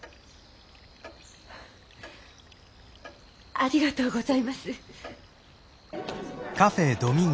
ありがとうございます。